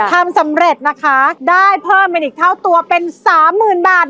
ทำสำเร็จนะคะได้เพิ่มไปอีกเท่าตัวเป็น๓๐๐๐๐บาท